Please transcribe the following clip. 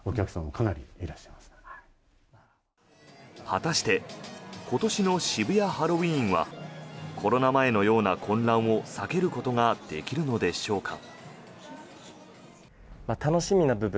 果たして今年の渋谷ハロウィーンはコロナ前のような混乱を避けることができるのでしょうか。